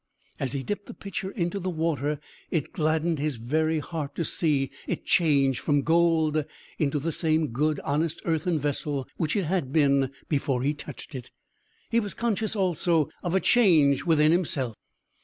As he dipped the pitcher into the water, it gladdened his very heart to see it change from gold into the same good, honest earthen vessel which it had been before he touched it. He was conscious, also, of a change within himself.